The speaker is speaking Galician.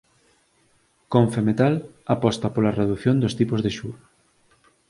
Confemetal aposta pola reducción dos tipos de xuro